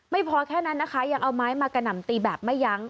พอแค่นั้นนะคะยังเอาไม้มากระหน่ำตีแบบไม่ยั้ง